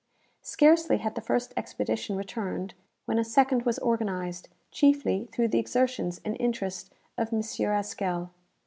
Scarcely had the first expedition returned, when a second was organized, chiefly through the exertions and interest of M. Haskell.